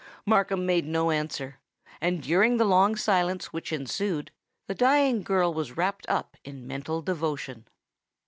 Markham made no answer; and during the long silence which ensued, the dying girl was wrapt up in mental devotion.